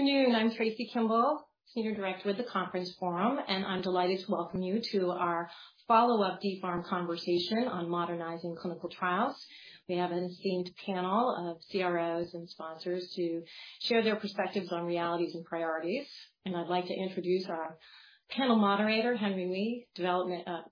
Afternoon, I'm Tracy Kimball, Senior Director with The Conference Forum, and I'm delighted to welcome you to our follow-up DPHARM conversation on modernizing clinical trials. We have an esteemed panel of CROs and sponsors to share their perspectives on realities and priorities. I'd like to introduce our panel moderator, Henry Wei,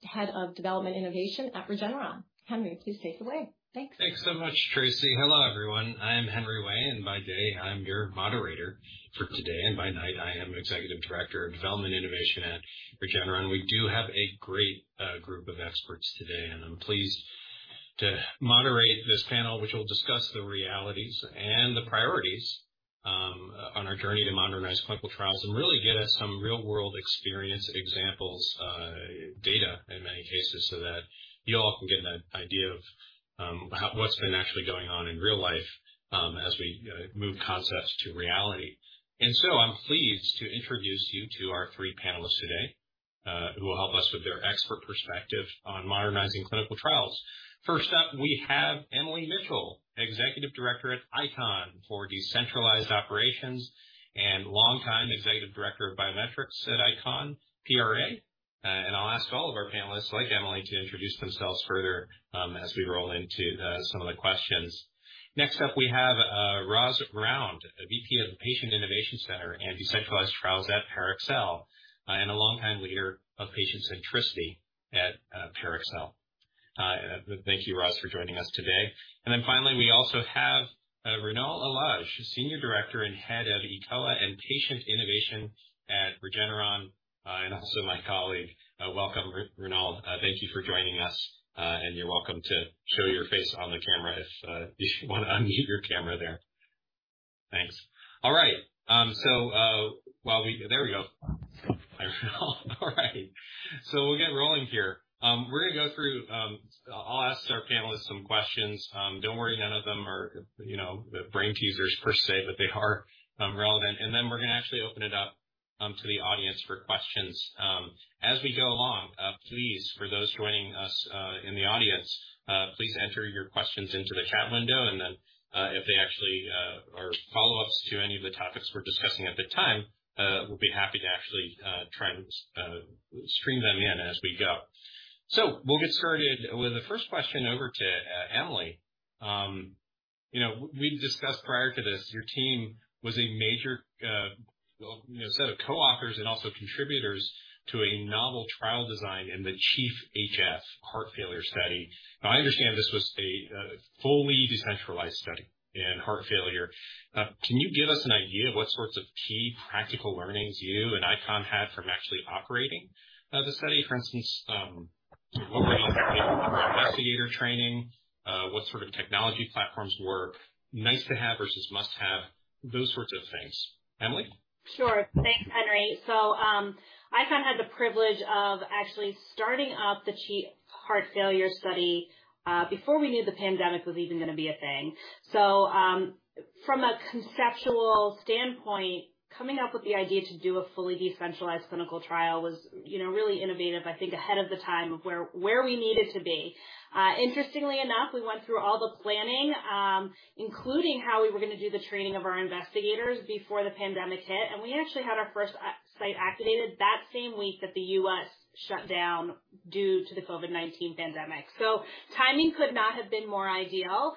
Head of Development Innovation at Regeneron. Henry, please take it away. Thanks. Thanks so much, Tracy. Hello, everyone. I'm Henry Wei, and by day, I'm your moderator for today, and by night, I am Executive Director of Development Innovation at Regeneron. We do have a great group of experts today, and I'm pleased to moderate this panel, which will discuss the realities and the priorities on our journey to modernize clinical trials and really get us some real-world experience examples data in many cases, so that you all can get an idea of how what's been actually going on in real life as we move concepts to reality. I'm pleased to introduce you to our three panelists today who will help us with their expert perspective on modernizing clinical trials. First up, we have Emily Mitchell, Executive Director at ICON for Decentralized Operations and longtime Executive Director of Biometrics at ICON PRA. I'll ask all of our panelists, like Emily, to introduce themselves further, as we roll into some of the questions. Next up, we have Rosamund Round, VP of the Patient Innovation Center and Decentralized Trials at Parexel, and a longtime leader of patient centricity at Parexel. Thank you, Ros, for joining us today. Finally, we also have Ronald Elash, Senior Director and Head of e-Telehealth and Patient Innovation at Regeneron, and also my colleague. Welcome, Ronald. Thank you for joining us. You're welcome to show your face on the camera if you wanna unmute your camera there. Thanks. All right. There we go. Hi, Ronald. All right. We'll get rolling here. We're gonna go through. I'll ask our panelists some questions. Don't worry, none of them are, you know, brain teasers per se, but they are relevant. We're gonna actually open it up to the audience for questions. As we go along, please, for those joining us in the audience, please enter your questions into the chat window, and then, if they actually are follow-ups to any of the topics we're discussing at the time, we'll be happy to actually try and stream them in as we go. We'll get started with the first question over to Emily. You know, we discussed prior to this, your team was a major, well, you know, set of co-authors and also contributors to a novel trial design in the CHIEF-HF heart failure study. Now, I understand this was a fully decentralized study in heart failure. Can you give us an idea of what sorts of key practical learnings you and ICON had from actually operating the study? For instance, what went into investigator training? What sort of technology platforms were nice to have versus must-have? Those sorts of things. Emily? Sure. Thanks, Henry. ICON had the privilege of actually starting up the CHIEF-HF heart failure study before we knew the pandemic was even gonna be a thing. From a conceptual standpoint, coming up with the idea to do a fully decentralized clinical trial was, you know, really innovative, I think ahead of the time of where we needed to be. Interestingly enough, we went through all the planning, including how we were gonna do the training of our investigators before the pandemic hit, and we actually had our first site activated that same week that the U.S. shut down due to the COVID-19 pandemic. Timing could not have been more ideal.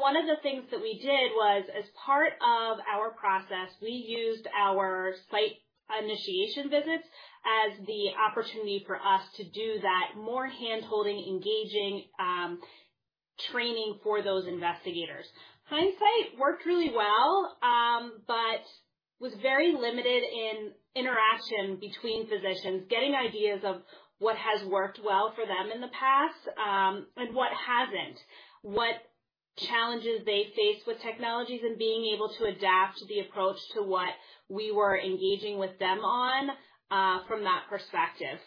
One of the things that we did was, as part of our process, we used our site initiation visits as the opportunity for us to do that more hand-holding, engaging, training for those investigators. In hindsight worked really well, but was very limited in interaction between physicians, getting ideas of what has worked well for them in the past, and what hasn't, what challenges they face with technologies and being able to adapt the approach to what we were engaging with them on, from that perspective.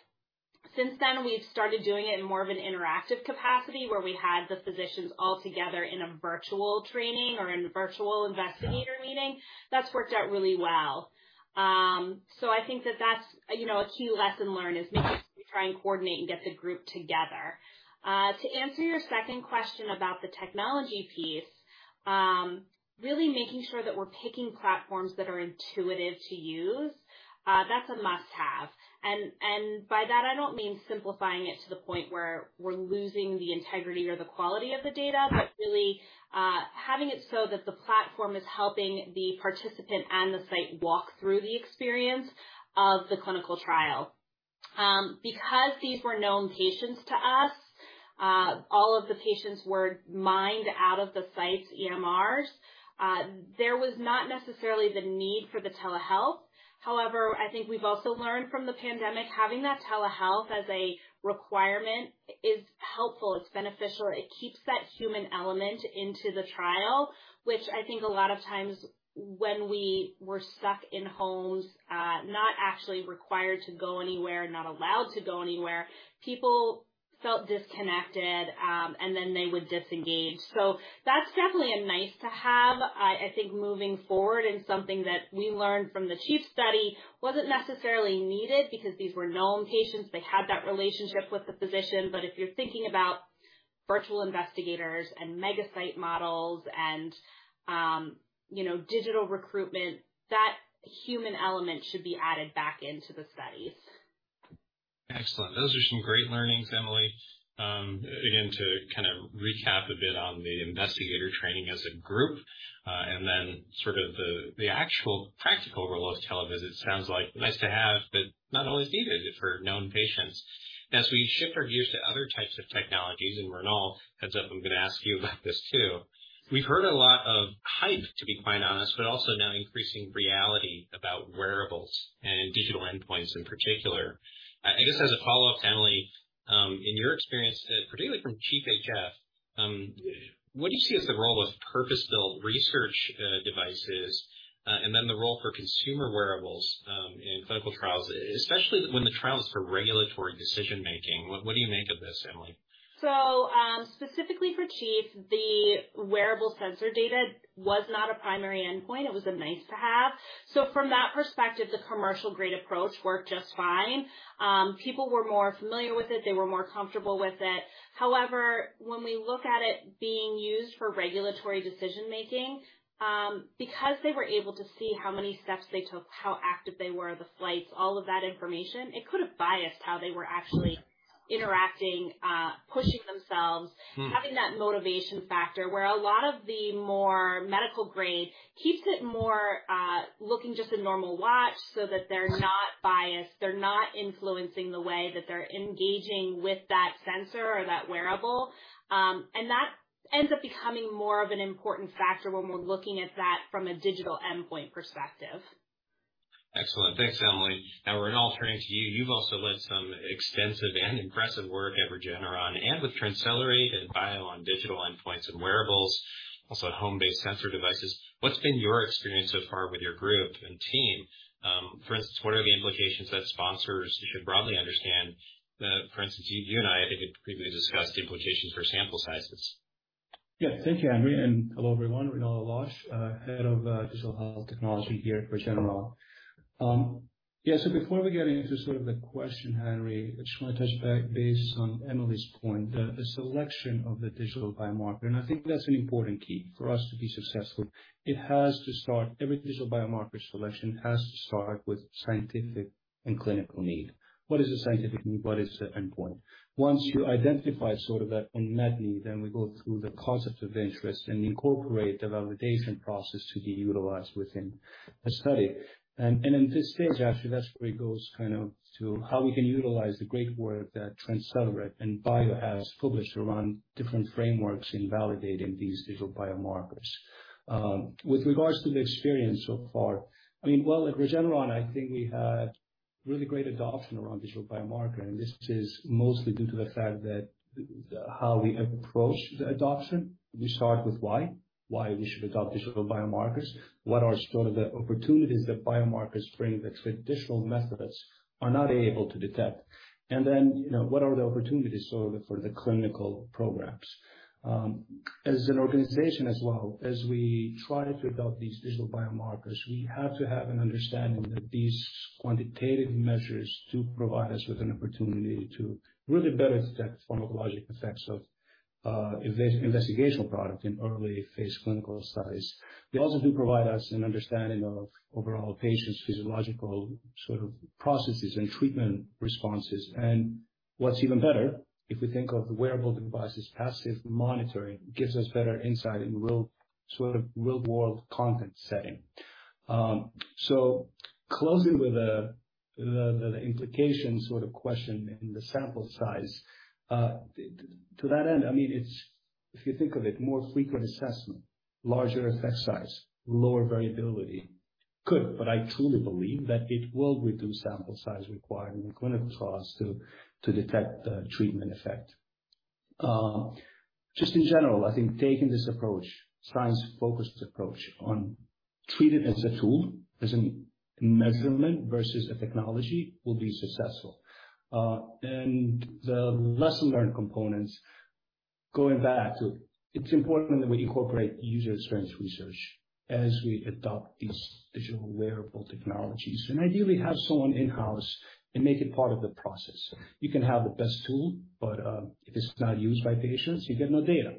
Since then, we've started doing it in more of an interactive capacity, where we had the physicians all together in a virtual training or in a virtual investigator meeting. That's worked out really well. I think that that's, you know, a key lesson learned is making sure we try and coordinate and get the group together. To answer your second question about the technology piece, really making sure that we're picking platforms that are intuitive to use, that's a must-have. By that, I don't mean simplifying it to the point where we're losing the integrity or the quality of the data, but really, having it so that the platform is helping the participant and the site walk through the experience of the clinical trial. Because these were known patients to us, all of the patients were mined out of the site's EMRs, there was not necessarily the need for the telehealth. However, I think we've also learned from the pandemic, having that telehealth as a requirement is helpful, it's beneficial, it keeps that human element into the trial, which I think a lot of times when we were stuck in homes, not actually required to go anywhere, not allowed to go anywhere, people felt disconnected, and then they would disengage. That's definitely a nice to have, I think moving forward and something that we learned from the CHIEF study wasn't necessarily needed because these were known patients. They had that relationship with the physician. If you're thinking about virtual investigators and mega site models and, you know, digital recruitment, that human element should be added back into the studies. Excellent. Those are some great learnings, Emily. Again, to kind of recap a bit on the investigator training as a group, and then sort of the actual practical role of televisit sounds like nice to have, but not always needed if for known patients. As we shift our views to other types of technologies, and Renald heads up, I'm gonna ask you about this too. We've heard a lot of hype, to be quite honest, but also now increasing reality about wearables and digital endpoints in particular. I guess as a follow-up, Emily, in your experience, particularly from CHIEF-HF, what do you see as the role of purpose-built research devices, and then the role for consumer wearables, in clinical trials, especially when the trial is for regulatory decision-making? What do you make of this, Emily? Specifically for CHIEF, the wearable sensor data was not a primary endpoint. It was a nice to have. From that perspective, the commercial-grade approach worked just fine. People were more familiar with it. They were more comfortable with it. However, when we look at it being used for regulatory decision-making, because they were able to see how many steps they took, how active they were, the flights, all of that information, it could have biased how they were actually interacting, pushing themselves. Mm. Having that motivation factor, where a lot of the more medical grade keeps it more, looking just a normal watch so that they're not biased, they're not influencing the way that they're engaging with that sensor or that wearable. That ends up becoming more of an important factor when we're looking at that from a digital endpoint perspective. Excellent. Thanks, Emily. Now, Renald, turning to you. You've also led some extensive and impressive work at Regeneron and with TransCelerate and BIO on digital endpoints and wearables, also home-based sensor devices. What's been your experience so far with your group and team? For instance, what are the implications that sponsors should broadly understand? For instance, you and I think previously discussed the implications for sample sizes. Yeah. Thank you, Henry, and hello, everyone. Renald Elash, Head of Digital Health Technology here at Regeneron. Before we get into sort of the question, Henry, I just want to touch base based on Emily's point. The selection of the digital biomarker, and I think that's an important key for us to be successful. Every digital biomarker selection has to start with scientific and clinical need. What is the scientific need? What is the endpoint? Once you identify sort of that unmet need, we go through the concepts of interest and incorporate the validation process to be utilized within the study. In this stage, actually, that's where it goes kind of to how we can utilize the great work that TransCelerate and BIO has published around different frameworks in validating these digital biomarkers. With regards to the experience so far, I mean, well, at Regeneron, I think we had really great adoption around digital biomarker, and this is mostly due to the fact that how we approach the adoption. We start with why. Why we should adopt digital biomarkers. What are sort of the opportunities that biomarkers bring that traditional methods are not able to detect? Then, you know, what are the opportunities sort of for the clinical programs? As an organization as well, as we try to adopt these digital biomarkers, we have to have an understanding that these quantitative measures do provide us with an opportunity to really better detect pharmacologic effects of investigational product in early phase clinical studies. They also do provide us an understanding of overall patients' physiological sort of processes and treatment responses. What's even better, if we think of the wearable devices, passive monitoring gives us better insight in real sort of real-world context setting. Closing with the implication sort of question in the sample size, to that end, I mean, it's... If you think of it, more frequent assessment, larger effect size, lower variability could, but I truly believe that it will reduce sample size required in the clinical trials to detect the treatment effect. Just in general, I think taking this approach, science-focused approach of treating it as a tool, as a measurement versus a technology, will be successful. The lesson learned components, going back, it's important that we incorporate user experience research as we adopt these digital wearable technologies. Ideally have someone in-house and make it part of the process. You can have the best tool, but if it's not used by patients, you get no data.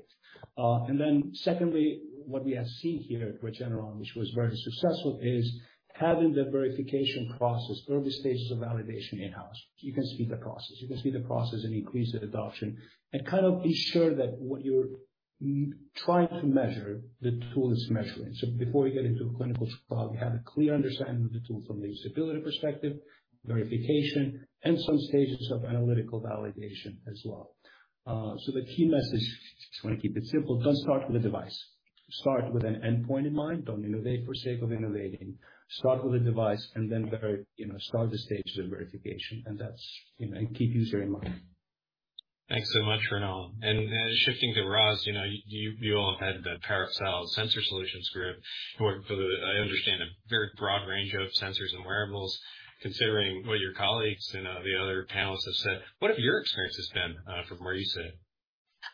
Secondly, what we have seen here at Regeneron, which was very successful, is having the verification process, early stages of validation in-house. You can speed the process and increase the adoption and kind of ensure that what you're trying to measure the tool is measuring. Before you get into a clinical trial, you have a clear understanding of the tool from the usability perspective, verification, and some stages of analytical validation as well. The key message, just want to keep it simple. Don't start with a device. Start with an endpoint in mind. Don't innovate for sake of innovating. Start with a device and then very, you know, start the stages of verification. That's, you know, and keep user in mind. Thanks so much, Ronald. Shifting to Rosamund Round, you know, you all had the Parexel Sensor Solutions group, who are, I understand, a very broad range of sensors and wearables. Considering what your colleagues and the other panelists have said, what have your experiences been, from where you sit?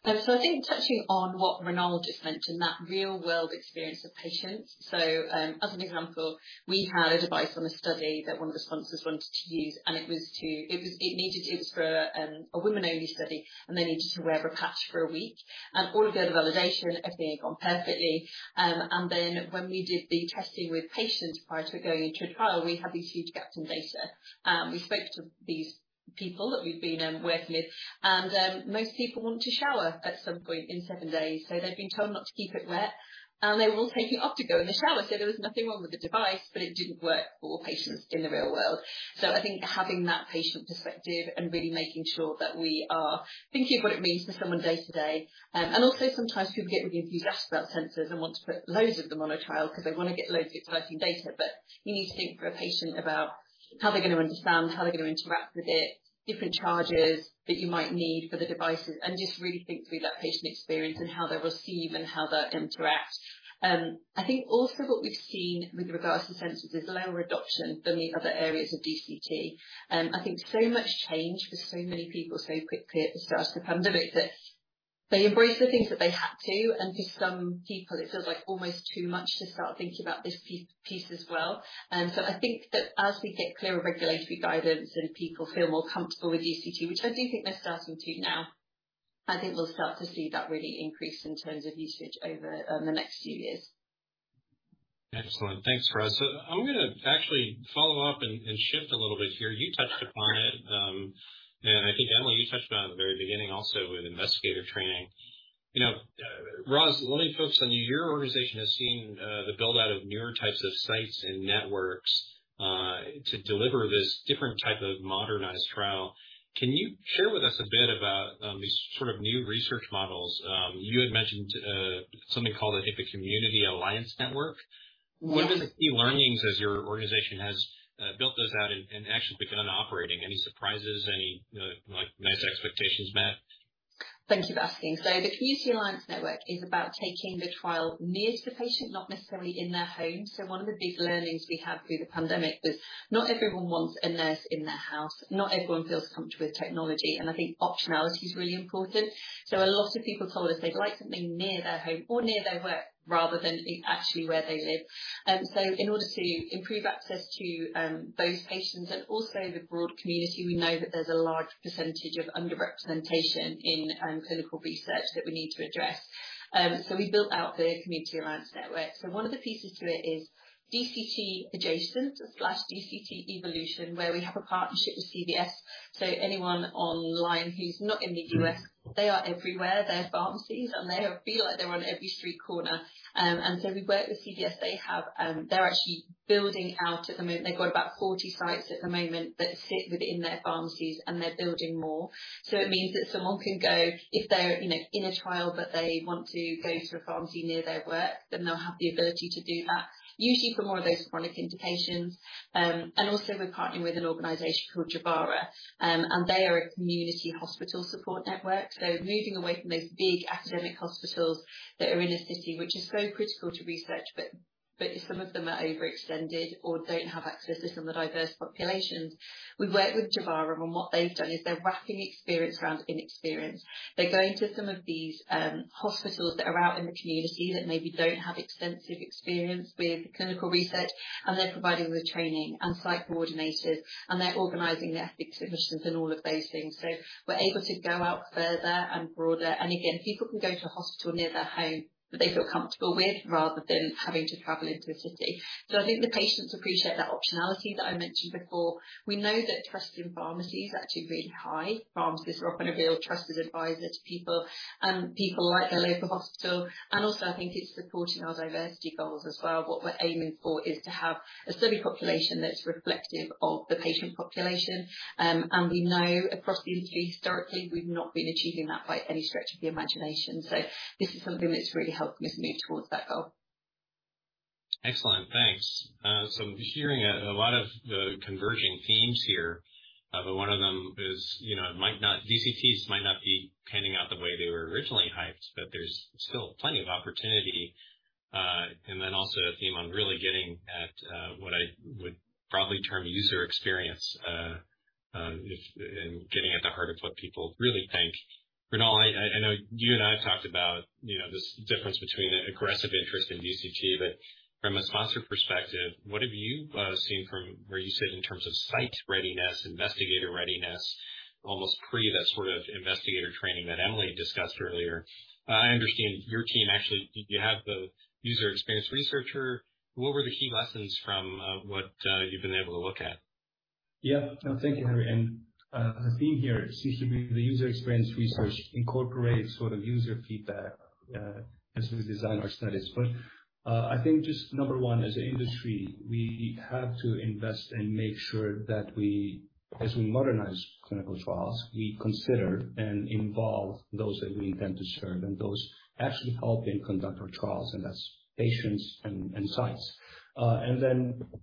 I think touching on what Ronald just mentioned, that real-world experience of patients. As an example, we had a device on a study that one of the sponsors wanted to use, and it was for a women-only study, and they needed to wear a patch for a week. All the validation had been done perfectly. Then when we did the testing with patients prior to going into a trial, we had these huge gaps in data. We spoke to these people that we've been working with, and most people want to shower at some point in seven days. They've been told not to keep it wet, and they were all taking it off to go in the shower. There was nothing wrong with the device, but it didn't work for patients in the real world. I think having that patient perspective and really making sure that we are thinking of what it means for someone day to day. Also sometimes people get really enthusiastic about sensors and want to put loads of them on a trial because they want to get loads of exciting data. You need to think for a patient about how they're going to understand, how they're going to interact with it, different charges that you might need for the devices, and just really think through that patient experience and how they receive and how they're interact. I think also what we've seen with regards to sensors is lower adoption than the other areas of DCT. I think so much change for so many people so quickly at the start of the pandemic that they embrace the things that they have to. For some people, it feels like almost too much to start thinking about this pie-piece as well. I think that as we get clearer regulatory guidance and people feel more comfortable with DCT, which I do think they're starting to now, I think we'll start to see that really increase in terms of usage over the next few years. Excellent. Thanks, Ros. I'm gonna actually follow up and shift a little bit here. You touched upon it, and I think, Emily, you touched on it at the very beginning also with investigator training. You know, Ros, let me focus on you. Your organization has seen the build-out of newer types of sites and networks to deliver this different type of modernized trial. Can you share with us a bit about these sort of new research models? You had mentioned something called the Community Alliance Network. Yes. What have been the key learnings as your organization has built those out and actually begun operating? Any surprises, you know, like nice expectations met? Thank you for asking. The Community Alliance Network is about taking the trial near to the patient, not necessarily in their home. One of the big learnings we had through the pandemic was not everyone wants a nurse in their house. Not everyone feels comfortable with technology, and I think optionality is really important. A lot of people told us they'd like something near their home or near their work rather than it actually where they live. In order to improve access to those patients and also the broad community, we know that there's a large percentage of underrepresentation in clinical research that we need to address. We built out the Community Alliance Network. One of the pieces to it is DCT adjacent/DCT evolution, where we have a partnership with CVS. Anyone online who's not in the US, they are everywhere. They're pharmacies, and they feel like they're on every street corner. We work with CVS. They have, they're actually building out at the moment. They've got about 40 sites at the moment that sit within their pharmacies, and they're building more. It means that someone can go if they're, you know, in a trial, but they want to go to a pharmacy near their work, then they'll have the ability to do that, usually for more of those chronic indications. We're partnering with an organization called Javara, and they are a community hospital support network. Moving away from those big academic hospitals that are in a city which is so critical to research, but some of them are overextended or don't have access to some of the diverse populations. We work with Javara, and what they've done is they're wrapping experience around inexperience. They're going to some of these, hospitals that are out in the community that maybe don't have extensive experience with clinical research, and they're providing the training and site coordinators, and they're organizing the ethics submissions and all of those things. We're able to go out further and broader, and again, people can go to a hospital near their home that they feel comfortable with rather than having to travel into a city. I think the patients appreciate that optionality that I mentioned before. We know that trust in pharmacy is actually really high. Pharmacists are often a real trusted advisor to people, and people like their local hospital. I think it's supporting our diversity goals as well. What we're aiming for is to have a study population that's reflective of the patient population. We know across the UK historically, we've not been achieving that by any stretch of the imagination. This is something that's really helping us move toward that goal. Excellent. Thanks. I'm hearing a lot of converging themes here. One of them is, you know, DCTs might not be panning out the way they were originally hyped, but there's still plenty of opportunity. Then also a theme on really getting at what I would probably term user experience and getting at the heart of what people really think. Renald, I know you and I have talked about, you know, this difference between aggressive interest in DCT, but from a sponsor perspective, what have you seen from where you sit in terms of site readiness, investigator readiness, almost pre that sort of investigator training that Emily discussed earlier. I understand your team, actually, you have the user experience researcher. What were the key lessons from what you've been able to look at? Yeah. No, thank you, Henry. The theme here seems to be the user experience research incorporates sort of user feedback as we design our studies. I think just number one, as an industry, we have to invest and make sure that we, as we modernize clinical trials, we consider and involve those that we intend to serve and those actually helping conduct our trials, and that's patients and sites.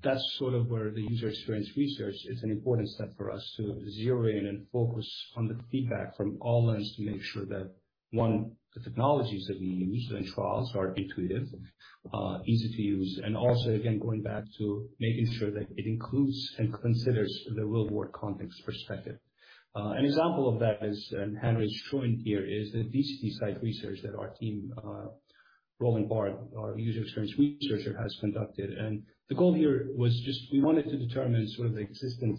That's sort of where the user experience research is an important step for us to zero in and focus on the feedback from all lens to make sure that, one, the technologies that we use in trials are intuitive, easy to use, and also again, going back to making sure that it includes and considers the real-world context perspective. An example of that is, Henry Wei is showing here, the DCT site research that our team, Roland Bart, our user experience researcher, has conducted. The goal here was just we wanted to determine sort of the existing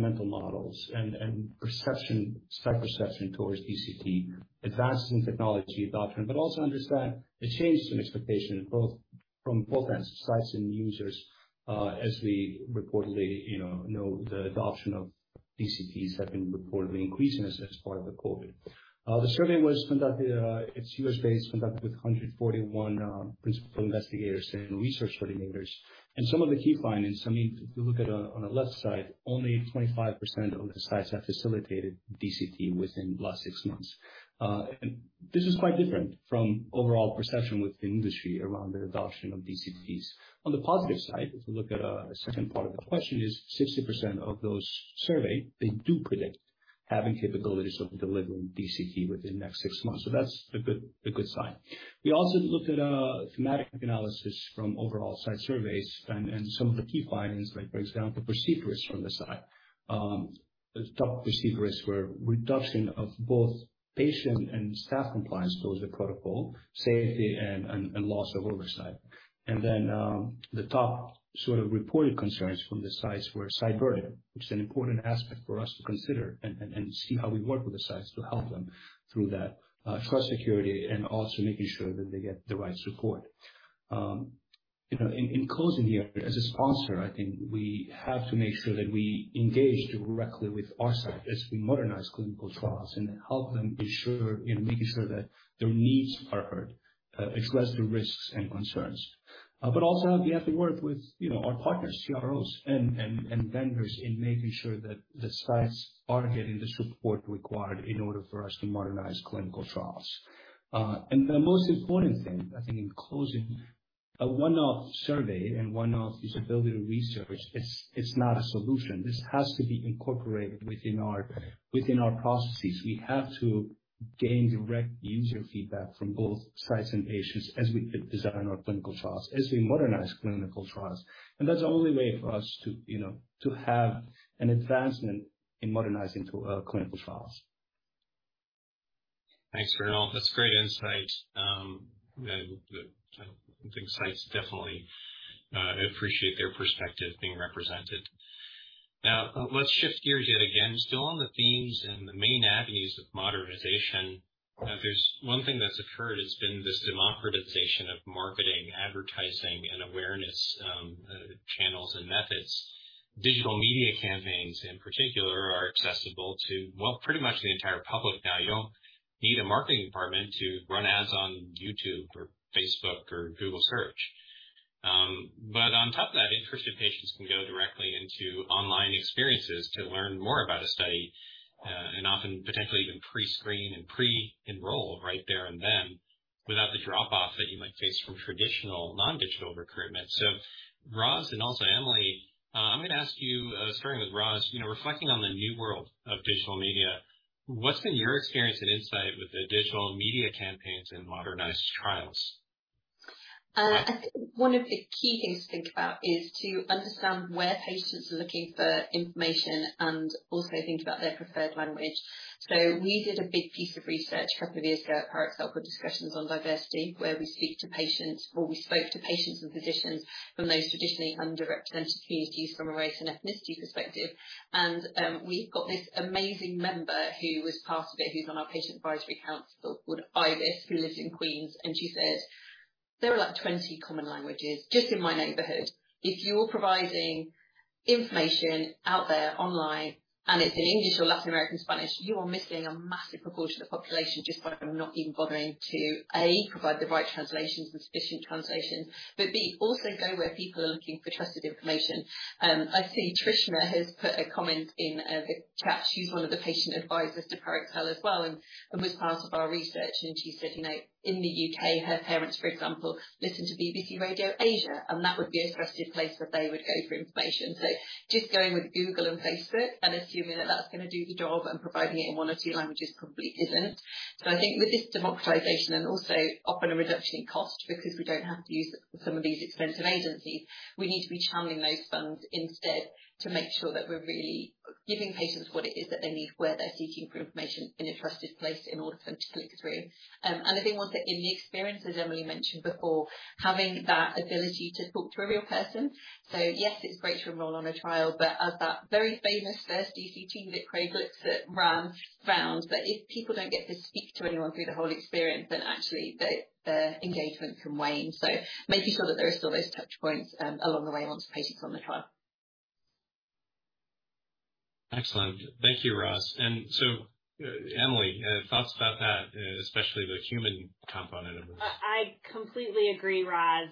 mental models and perception, site perception towards DCT, advancing technology adoption, but also understand the change in expectation from both ends, sites and users, as we reportedly, you know the adoption of DCTs have been increasing as part of the COVID. The survey was conducted, it's U.S.-based, conducted with 141 principal investigators and research coordinators. Some of the key findings, I mean, if you look at on the left side, only 25% of the sites have facilitated DCT within the last six months. This is quite different from overall perception with the industry around the adoption of DCTs. On the positive side, if you look at, the second part of the question, is 60% of those surveyed, they do predict having capabilities of delivering DCT within the next six months. That's a good sign. We also looked at, thematic analysis from overall site surveys. Some of the key findings, like breaks down the perceived risks from the site. The top perceived risks were reduction of both patient and staff compliance to the protocol, safety and loss of oversight. The top sort of reported concerns from the sites were site burden, which is an important aspect for us to consider and see how we work with the sites to help them through that. Trust security, and also making sure that they get the right support. You know, in closing here, as a sponsor, I think we have to make sure that we engage directly with our site as we modernize clinical trials and help them ensure, you know, making sure that their needs are heard, express their risks and concerns. Also we have to work with, you know, our partners, CROs and vendors in making sure that the sites are getting the support required in order for us to modernize clinical trials. The most important thing, I think in closing, a one-off survey and one-off usability research, it's not a solution. This has to be incorporated within our processes. We have to gain direct user feedback from both sites and patients as we design our clinical trials, as we modernize clinical trials. That's the only way for us to, you know, to have an advancement in modernizing clinical trials. Thanks, Ronald. That's great insight. You know, I think sites definitely appreciate their perspective being represented. Now, let's shift gears yet again. Still on the themes and the main avenues of modernization. There's one thing that's occurred has been this democratization of marketing, advertising, and awareness channels and methods. Digital media campaigns in particular are accessible to, well, pretty much the entire public now. You don't need a marketing department to run ads on YouTube or Facebook or Google search. But on top of that, interested patients can go directly into online experiences to learn more about a study, and often potentially even pre-screen and pre-enroll right there and then, without the drop off that you might face from traditional non-digital recruitment. Ros and also Emily, I'm gonna ask you, starting with Ros, you know, reflecting on the new world of digital media, what's been your experience and insight with digital media campaigns in modernized trials? I think one of the key things to think about is to understand where patients are looking for information and also think about their preferred language. We did a big piece of research a couple of years ago at Parexel for discussions on diversity, where we speak to patients, or we spoke to patients and physicians from those traditionally underrepresented communities from a race and ethnicity perspective. We've got this amazing member who was part of it, who's on our patient advisory council, called Iris, who lives in Queens, and she said, "There are like 20 common languages just in my neighborhood. If you're providing information out there online, and it's in English or Latin American Spanish, you are missing a massive proportion of the population just by not even bothering to, A, provide the right translations and sufficient translations. Be also go where people are looking for trusted information. I see Trishna has put a comment in, the chat. She's one of the patient advisors to Parexel as well and was part of our research, and she said, you know, in the UK, her parents, for example, listen to BBC Asian Network, and that would be a trusted place that they would go for information. Just going with Google and Facebook and assuming that that's gonna do the job and providing it in one or two languages probably isn't. I think with this democratization and also often a reduction in cost because we don't have to use some of these expensive agencies, we need to be channeling those funds instead to make sure that we're really giving patients what it is that they need, where they're seeking for information in a trusted place in order for them to click through. I think also in the experience, as Emily mentioned before, having that ability to talk to a real person. Yes, it's great to enroll on a trial, but as that very famous first DCT led Craig Lipset that ran found that if people don't get to speak to anyone through the whole experience, then actually the engagement can wane. Making sure that there are still those touch points along the way once a patient's on the trial. Excellent. Thank you, Ros. Emily, thoughts about that, especially the human component of this? I completely agree, Ros.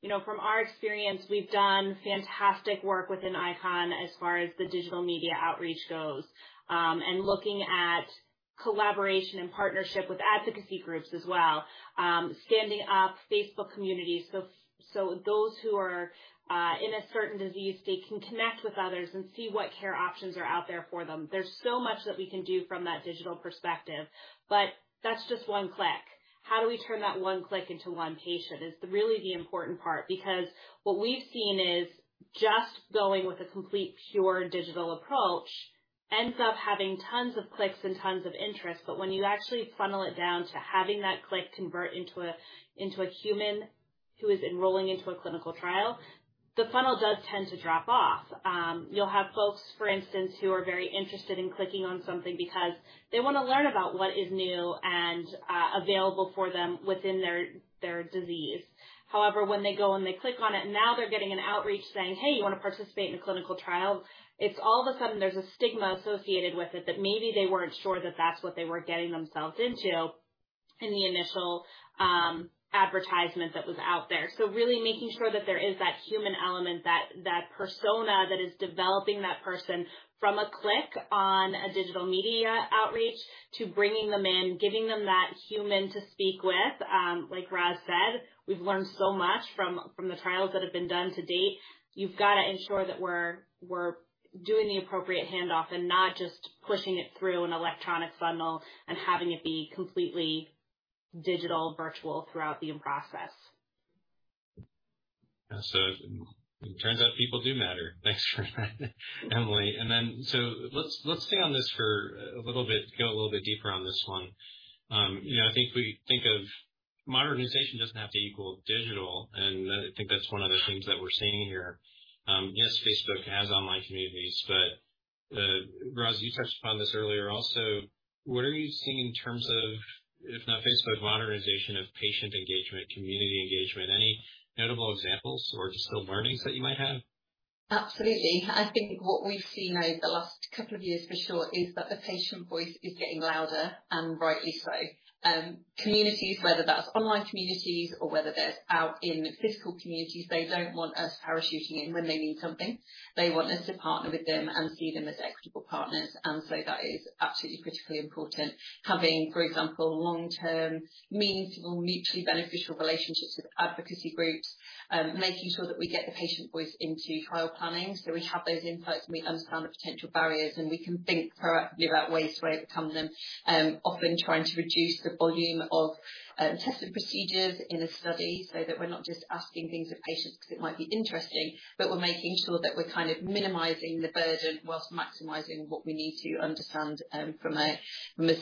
You know, from our experience, we've done fantastic work within ICON as far as the digital media outreach goes. Looking at collaboration and partnership with advocacy groups as well. Standing up Facebook communities so those who are in a certain disease state can connect with others and see what care options are out there for them. There's so much that we can do from that digital perspective, but that's just one click. How do we turn that one click into one patient is really the important part, because what we've seen is just going with a complete pure digital approach ends up having tons of clicks and tons of interest. When you actually funnel it down to having that click convert into a human who is enrolling into a clinical trial. The funnel does tend to drop off. You'll have folks, for instance, who are very interested in clicking on something because they wanna learn about what is new and available for them within their disease. However, when they go and they click on it, now they're getting an outreach saying, "Hey, you wanna participate in a clinical trial?" All of a sudden there's a stigma associated with it that maybe they weren't sure that that's what they were getting themselves into in the initial advertisement that was out there. Really making sure that there is that human element, that persona that is developing that person from a click on a digital media outreach to bringing them in, giving them that human to speak with. Like Roz said, we've learned so much from the trials that have been done to date. You've got to ensure that we're doing the appropriate handoff and not just pushing it through an electronic funnel and having it be completely digital virtual throughout the process. It turns out people do matter. Thanks for that, Emily. Let's stay on this for a little bit, go a little bit deeper on this one. You know, I think we think of modernization doesn't have to equal digital, and I think that's one of the things that we're seeing here. Yes, Facebook has online communities, but, Ros, you touched upon this earlier also. What are you seeing in terms of, if not Facebook, modernization of patient engagement, community engagement? Any notable examples or just little learnings that you might have? Absolutely. I think what we've seen over the last couple of years for sure is that the patient voice is getting louder, and rightly so. Communities, whether that's online communities or whether they're out in physical communities, they don't want us parachuting in when they need something. They want us to partner with them and see them as equitable partners. That is absolutely critically important. Having, for example, long-term, meaningful, mutually beneficial relationships with advocacy groups. Making sure that we get the patient voice into trial planning, so we have those insights, and we understand the potential barriers, and we can think proactively about ways to overcome them. Often trying to reduce the volume of tests and procedures in a study so that we're not just asking things of patients 'cause it might be interesting, but we're making sure that we're kind of minimizing the burden while maximizing what we need to understand from a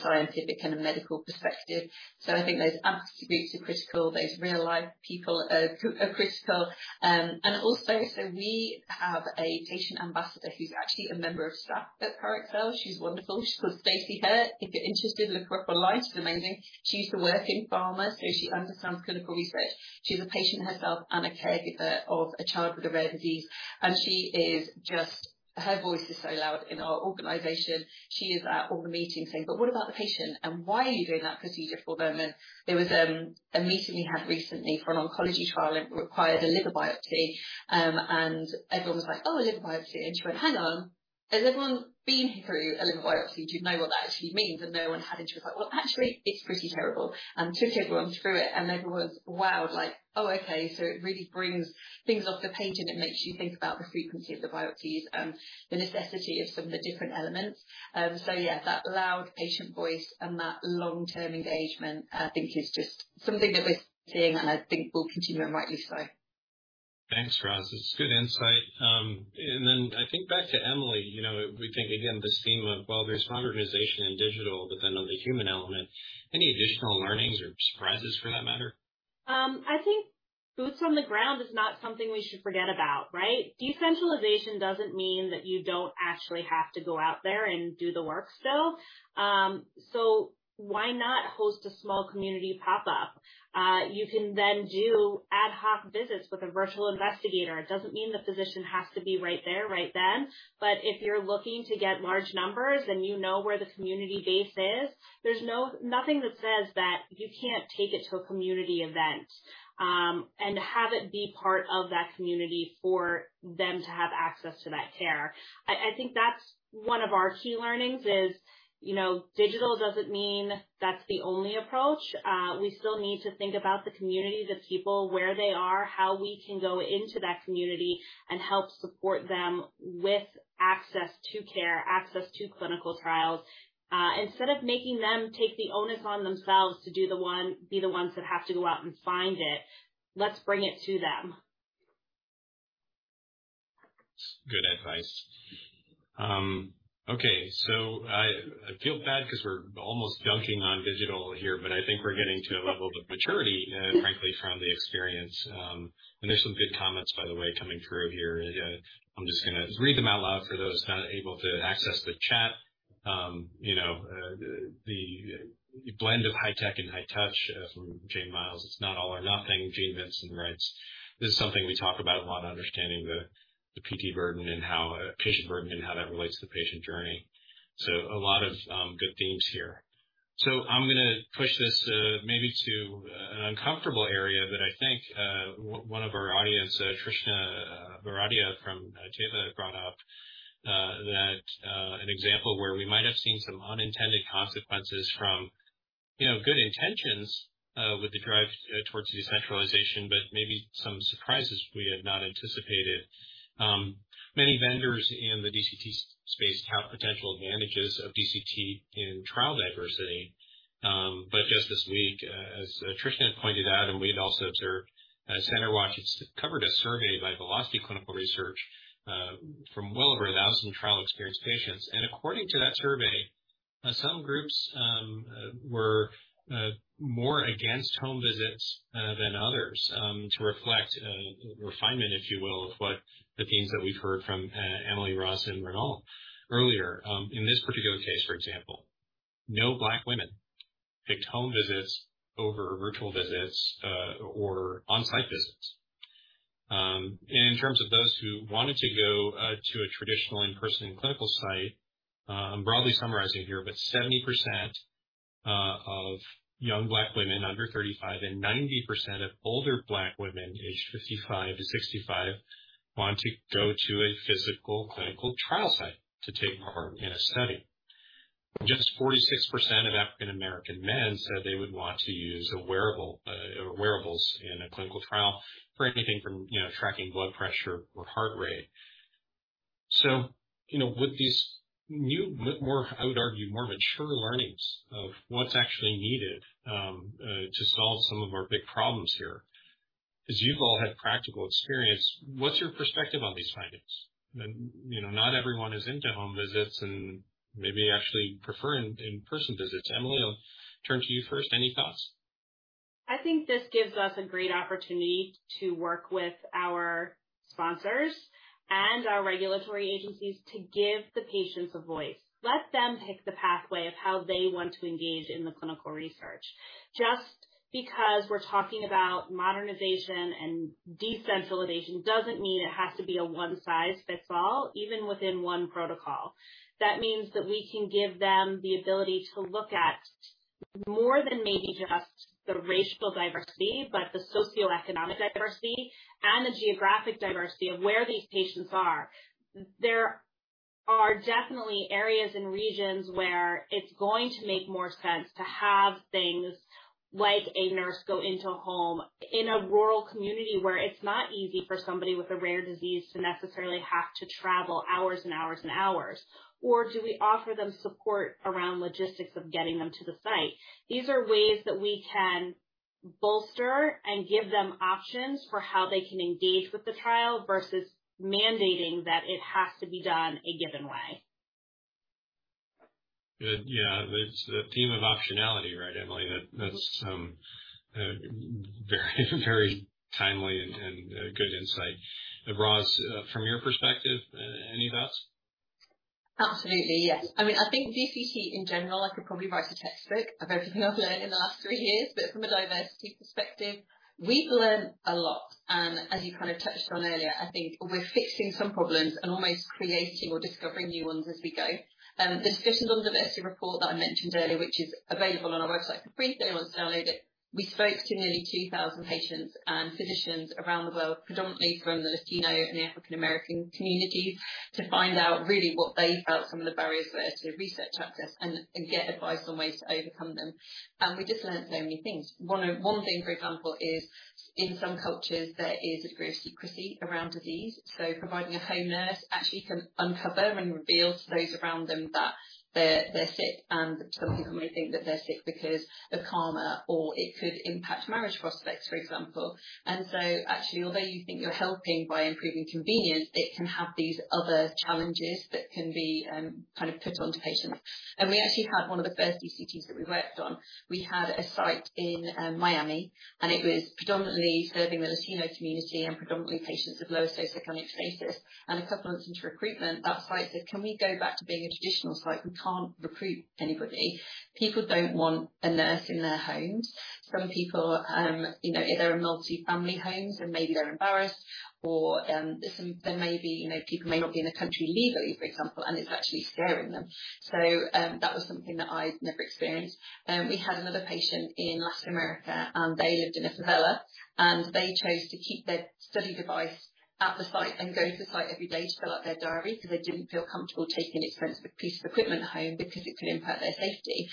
scientific and a medical perspective. I think those advocacy groups are critical. Those real-life people are critical. We have a patient ambassador who's actually a member of staff at Parexel. She's wonderful. She's called Stacy Hirt. If you're interested, look her up online. She's amazing. She's a working pharma, so she understands clinical research. She's a patient herself and a caregiver of a child with a rare disease. She is just. Her voice is so loud in our organization. She is at all the meetings saying, "But what about the patient? Why are you doing that procedure for them?" There was a meeting we had recently for an oncology trial, and it required a liver biopsy. Everyone was like, "Oh, a liver biopsy." She went, "Hang on. Has everyone been through a liver biopsy to know what that actually means?" No one had. She was like, "Well, actually, it's pretty terrible." Took everyone through it, and everyone's wowed, like, "Oh, okay." It really brings things off the page, and it makes you think about the frequency of the biopsies and the necessity of some of the different elements. Yeah, that loud patient voice and that long-term engagement, I think is just something that we're seeing and I think will continue, and rightly so. Thanks, Ros. It's good insight. I think back to Emily. You know, we think again, this theme of, well, there's modernization in digital, but then on the human element, any additional learnings or surprises for that matter? I think boots on the ground is not something we should forget about, right? Decentralization doesn't mean that you don't actually have to go out there and do the work still. Why not host a small community pop-up? You can then do ad hoc visits with a virtual investigator. It doesn't mean the physician has to be right there, right then. If you're looking to get large numbers and you know where the community base is, there's nothing that says that you can't take it to a community event, and have it be part of that community for them to have access to that care. I think that's one of our key learnings is, you know, digital doesn't mean that's the only approach. We still need to think about the communities, the people, where they are, how we can go into that community and help support them with access to care, access to clinical trials. Instead of making them take the onus on themselves to be the ones that have to go out and find it, let's bring it to them. Good advice. Okay. I feel bad 'cause we're almost dunking on digital here, but I think we're getting to a level of maturity, frankly, from the experience. There's some good comments, by the way, coming through here. I'm just gonna read them out loud for those not able to access the chat. You know, the blend of high tech and high touch from Jane Miles. It's not all or nothing. Jean Vincent writes, this is something we talk about a lot, understanding the PT burden and how patient burden and how that relates to the patient journey. A lot of good themes here. I'm gonna push this, maybe to an uncomfortable area that I think, one of our audience, Trishna, Varadha from Teva brought up, that, an example where we might have seen some unintended consequences from, you know, good intentions, with the drive, towards decentralization, but maybe some surprises we had not anticipated. Many vendors in the DCT space tout potential advantages of DCT in trial diversity. Just this week, as Trishna had pointed out, and we've also observed, CenterWatch has covered a survey by Velocity Clinical Research, from well over 1,000 trial-experienced patients. According to that survey. Some groups were more against home visits than others, to reflect refinement, if you will, of what the themes that we've heard from Emily, Roz, and Renald earlier. In this particular case, for example, no Black women picked home visits over virtual visits or on-site visits. In terms of those who wanted to go to a traditional in-person clinical site, I'm broadly summarizing here, but 70% of young Black women under 35 and 90% of older Black women aged 55-65 want to go to a physical clinical trial site to take part in a study. Just 46% of African American men said they would want to use a wearable or wearables in a clinical trial for anything from, you know, tracking blood pressure or heart rate. You know, with these new, more, I would argue, more mature learnings of what's actually needed to solve some of our big problems here, 'cause you've all had practical experience, what's your perspective on these findings? You know, not everyone is into home visits and maybe actually preferring in-person visits. Emily, I'll turn to you first. Any thoughts? I think this gives us a great opportunity to work with our sponsors and our regulatory agencies to give the patients a voice. Let them pick the pathway of how they want to engage in the clinical research. Just because we're talking about modernization and decentralization doesn't mean it has to be a one-size-fits-all, even within one protocol. That means that we can give them the ability to look at more than maybe just the racial diversity, but the socioeconomic diversity and the geographic diversity of where these patients are. There are definitely areas and regions where it's going to make more sense to have things like a nurse go into a home in a rural community where it's not easy for somebody with a rare disease to necessarily have to travel hours and hours and hours. do we offer them support around logistics of getting them to the site? These are ways that we can bolster and give them options for how they can engage with the trial versus mandating that it has to be done a given way. Yeah. It's the theme of optionality, right, Emily? That's very, very timely and good insight. Ros, from your perspective, any thoughts? Absolutely, yes. I mean, I think DCT in general, I could probably write a textbook of everything I've learned in the last three years. From a diversity perspective, we've learned a lot. As you kind of touched on earlier, I think we're fixing some problems and almost creating or discovering new ones as we go. This Perspectives on Diversity report that I mentioned earlier, which is available on our website for free if anyone wants to download it. We spoke to nearly 2,000 patients and physicians around the world, predominantly from the Latino and the African American communities, to find out really what they felt some of the barriers were to research access and get advice on ways to overcome them. We just learned so many things. One thing, for example, is in some cultures there is a degree of secrecy around disease. Providing a home nurse actually can uncover and reveal to those around them that they're sick, and some people may think that they're sick because of karma, or it could impact marriage prospects, for example. Actually, although you think you're helping by improving convenience, it can have these other challenges that can be kind of put onto patients. We actually had one of the first DCTs that we worked on. We had a site in Miami, and it was predominantly serving the Latino community and predominantly patients of lower socioeconomic status. A couple of months into recruitment, that site said, "Can we go back to being a traditional site? We can't recruit anybody. People don't want a nurse in their homes. Some people, you know, they're in multi-family homes and maybe they're embarrassed or they may be, you know, people may not be in the country legally, for example, and it's actually scaring them. That was something that I'd never experienced. We had another patient in Latin America, and they lived in a favela, and they chose to keep their study device at the site and go to the site every day to fill out their diary 'cause they didn't feel comfortable taking an expensive piece of equipment home because it could impact their safety.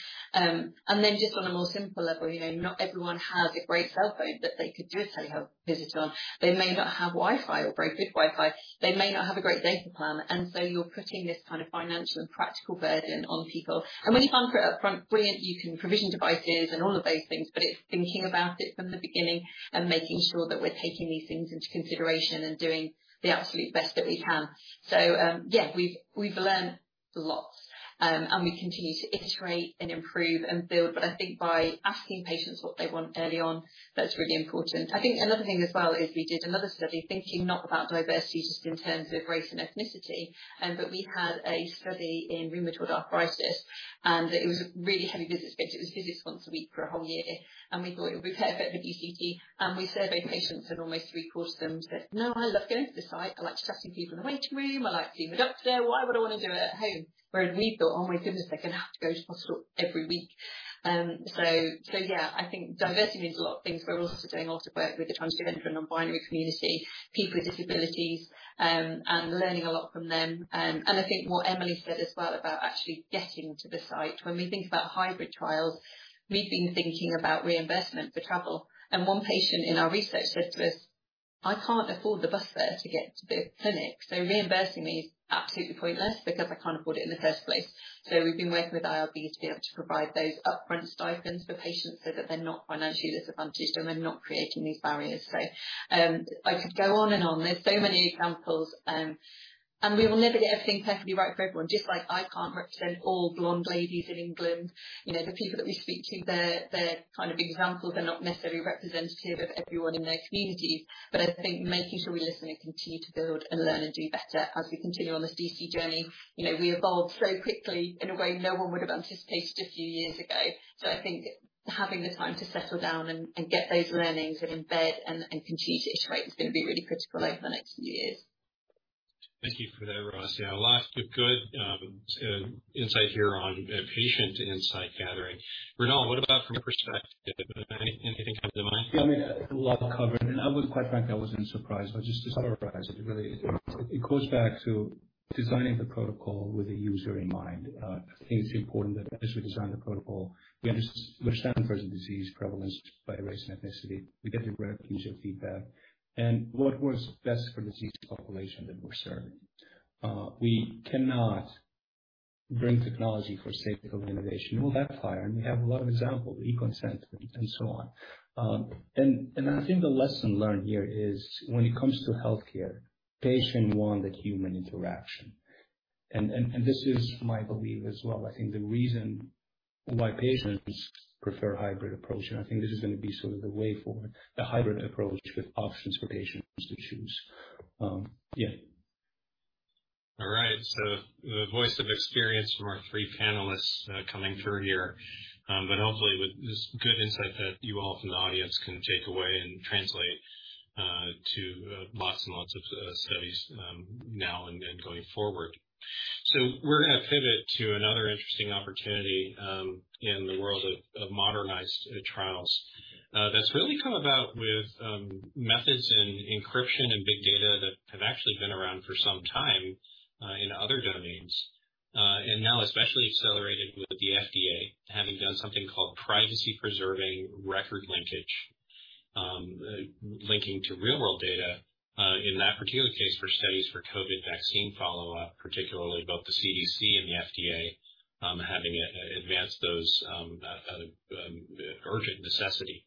Just on a more simple level, you know, not everyone has a great cell phone that they could do a telehealth visit on. They may not have Wi-Fi or very good Wi-Fi. They may not have a great data plan. You're putting this kind of financial and practical burden on people. When you sign for it up front, brilliant, you can provision devices and all of those things, but it's thinking about it from the beginning and making sure that we're taking these things into consideration and doing the absolute best that we can. Yeah, we've learned lots, and we continue to iterate and improve and build, but I think by asking patients what they want early on, that's really important. I think another thing as well is we did another study thinking not about diversity just in terms of race and ethnicity, but we had a study in rheumatoid arthritis, and it was a really heavy visit schedule. It was visits once a week for a whole year, and we thought it would be perfect for DCT. We surveyed patients, and almost three-quarters of them said, "No, I love going to the site. I like chatting to people in the waiting room. I like seeing the doctor. Why would I wanna do it at home?" Whereas we thought, "Oh my goodness, they're gonna have to go to the hospital every week." Yeah, I think diversity means a lot of things. We're also doing a lot of work with the transgender and non-binary community, people with disabilities, and learning a lot from them. I think what Emily said as well about actually getting to the site. When we think about hybrid trials, we've been thinking about reimbursement for travel. One patient in our research said to us, "I can't afford the bus fare to get to the clinic, so reimbursing me is absolutely pointless because I can't afford it in the first place." We've been working with IRB to be able to provide those upfront stipends for patients so that they're not financially disadvantaged and we're not creating these barriers. I could go on and on. There's so many examples. We will never get everything perfectly right for everyone. Just like I can't represent all blonde ladies in England. You know, the people that we speak to, their kind of examples are not necessarily representative of everyone in their communities. I think making sure we listen and continue to build and learn and do better as we continue on this DC journey. You know, we evolved so quickly in a way no one would have anticipated a few years ago. I think having the time to settle down and get those learnings and embed and continue to iterate is going to be really critical over the next few years. Thank you for that, Ros. A lot of good insight here on patient insight gathering. Renald, what about from your perspective? Anything come to mind? Yeah, I mean, a lot covered, and I was quite frank, I wasn't surprised. Just to summarize, it really, it goes back to designing the protocol with the user in mind. I think it's important that as we design the protocol, we understand present disease prevalence by race and ethnicity. We get the right patient feedback and what works best for the disease population that we're serving. We cannot bring technology for sake of innovation. It will backfire, and we have a lot of examples, e-consent and so on. And I think the lesson learned here is when it comes to healthcare, patient want the human interaction. This is my belief as well. I think the reason why patients prefer a hybrid approach, and I think this is going to be sort of the way forward, the hybrid approach with options for patients to choose. Yeah. All right. The voice of experience from our three panelists coming through here. Hopefully with this good insight that you all from the audience can take away and translate to lots and lots of studies now and then going forward. We're gonna pivot to another interesting opportunity in the world of modernized trials that's really come about with methods in encryption and big data that have actually been around for some time in other domains. Now especially accelerated with the FDA having done something called privacy-preserving record linkage linking to real-world data in that particular case for studies for COVID vaccine follow-up, particularly both the CDC and the FDA having advanced those out of urgent necessity.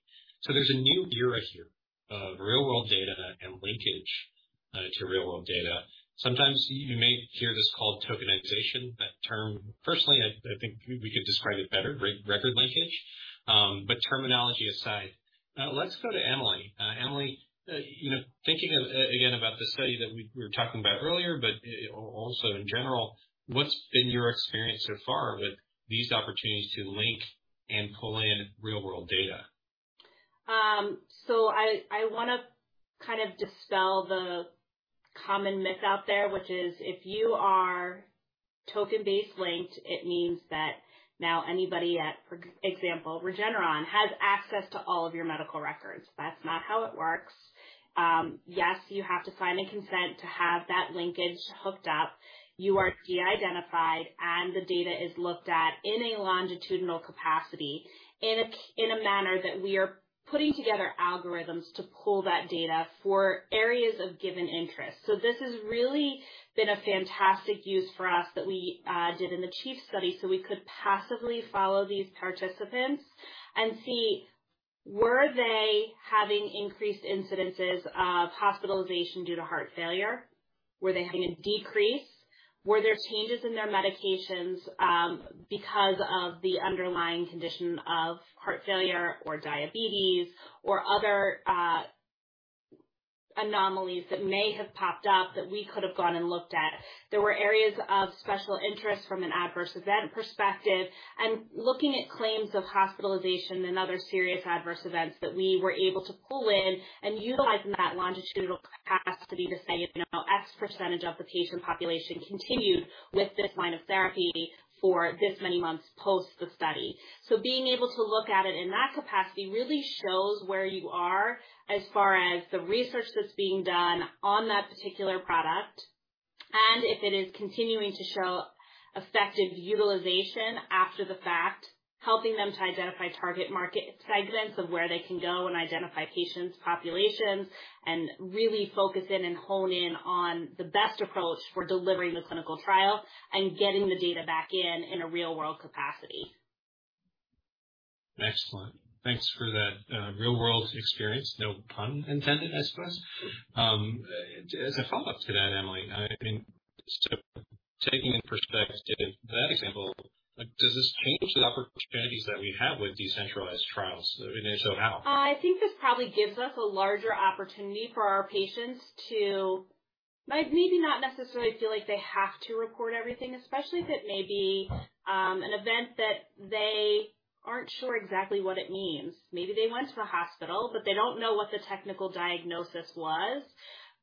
There's a new era here of real-world data and linkage to real-world data. Sometimes you may hear this called tokenization, that term. Personally, I think we could describe it better, record linkage. Terminology aside, let's go to Emily. Emily, you know, thinking of, again, about the study that we were talking about earlier, but also in general, what's been your experience so far with these opportunities to link and pull in real-world data? I wanna kind of dispel the common myth out there, which is if you are token-based linked, it means that now anybody at, for example, Regeneron, has access to all of your medical records. That's not how it works. Yes, you have to sign a consent to have that linkage hooked up. You are de-identified, and the data is looked at in a longitudinal capacity, in a manner that we are putting together algorithms to pull that data for areas of given interest. This has really been a fantastic use for us that we did in the CHIEF-HF study, so we could passively follow these participants and see were they having increased incidences of hospitalization due to heart failure? Were they having a decrease? Were there changes in their medications because of the underlying condition of heart failure or diabetes or other anomalies that may have popped up that we could have gone and looked at? There were areas of special interest from an adverse event perspective and looking at claims of hospitalization and other serious adverse events that we were able to pull in and utilize in that longitudinal capacity to say, you know, X percentage of the patient population continued with this line of therapy for this many months post the study. Being able to look at it in that capacity really shows where you are as far as the research that's being done on that particular product, and if it is continuing to show effective utilization after the fact, helping them to identify target market segments of where they can go and identify patients, populations, and really focus in and hone in on the best approach for delivering the clinical trial and getting the data back in in a real-world capacity. Excellent. Thanks for that, real-world experience. No pun intended, I suppose. As a follow-up to that, Emily, I mean, so taking in perspective that example, like, does this change the opportunities that we have with decentralized trials? If so, how? I think this probably gives us a larger opportunity for our patients to maybe not necessarily feel like they have to report everything, especially if it may be an event that they aren't sure exactly what it means. Maybe they went to the hospital, but they don't know what the technical diagnosis was.